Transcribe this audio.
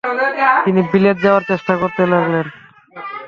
তিনি বিলেত যাওয়ার চেষ্টা করতে লাগলেন।